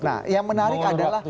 nah yang menarik adalah